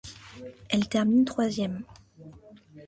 Elle termine troisième.